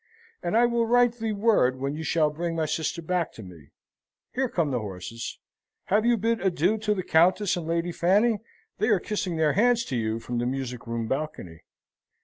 "And I will write thee word when you shall bring my sister back to me. Here come the horses. Have you bid adieu to the Countess and Lady Fanny? They are kissing their hands to you from the music room balcony."